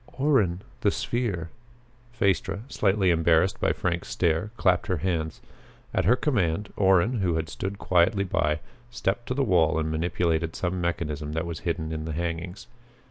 "Orrin the sphere!" Phaestra, slightly embarrassed by Frank's stare, clapped her hands. At her command, Orrin, who had stood quietly by, stepped to the wall and manipulated some mechanism that was hidden by the hangings.